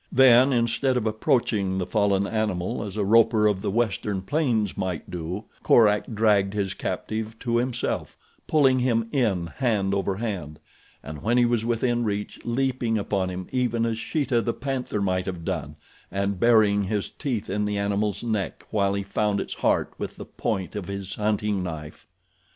Then, instead of approaching the fallen animal as a roper of the western plains might do, Korak dragged his captive to himself, pulling him in hand over hand, and when he was within reach leaping upon him even as Sheeta the panther might have done, and burying his teeth in the animal's neck while he found its heart with the point of his hunting knife.